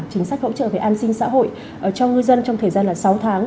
chính sách hỗ trợ về an sinh xã hội cho ngư dân trong thời gian sáu tháng